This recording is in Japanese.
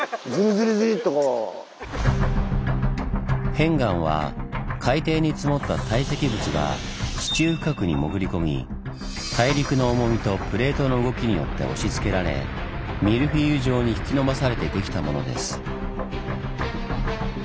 片岩は海底に積もった堆積物が地中深くに潜り込み大陸の重みとプレートの動きによって押しつけられミルフィーユ状に引き伸ばされてできたものです。